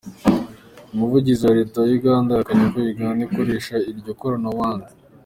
Umuvugizi wa leta ya Uganda yahakanye ko Uganda ikoresha iryo koranabuhanga.